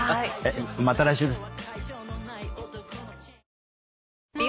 また来週です。